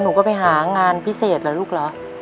หนูก็ไปหางานพิเศษเหรอลูกเหรอ